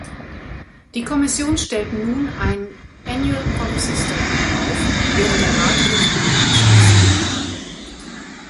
Die Kommission stellt nun ein annual policy statement auf, während der Rat Richtlinien beschließt.